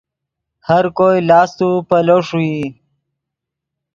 ہر کوئی لاست و پیلو ݰوئی